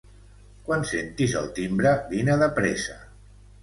Quan sentis el timbre, vine de pressa.